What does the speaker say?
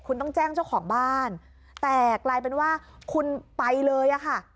คุณต้องแจ้งเจ้าของบ้านแต่กลายเป็นว่าคุณไปเลยอะค่ะ